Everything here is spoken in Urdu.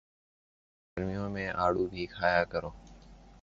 گرمیوں میں آڑو بھی کھایا کرو